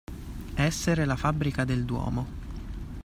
Essere la fabbrica del duomo.